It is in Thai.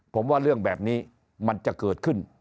ผมว่าเรื่องแบบนี้มันจะเกิดขึ้น